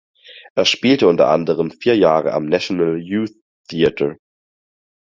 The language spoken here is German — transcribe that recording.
Er spielte unter anderen vier Jahre am National Youth Theatre.